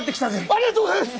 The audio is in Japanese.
ありがとうございます！